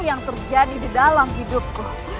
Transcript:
yang terjadi di dalam hidupku